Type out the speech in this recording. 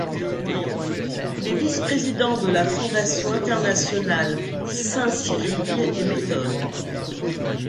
Il est vice-président de la fondation internationale saints Cyrille et Méthode.